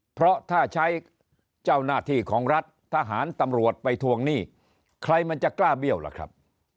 เพราะถ้าใช้เจ้าหน้าที่ของรัฐทหารตำรวจไปทวงหนี้ใครมันจะกล้าเบี้ยวล่ะครับ